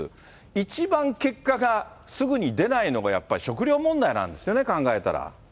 一番結果がすぐに出ないのがやっぱり食料問題なんですよね、考えたら。